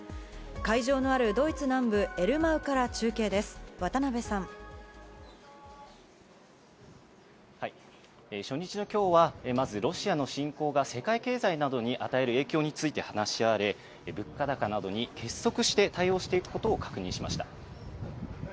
会場のあるドイツ南部エルマウから中継です、初日のきょうは、まず、ロシアの侵攻が世界経済などに与える影響について話し合われ、物価高などに結束して対応していくことを確認しました。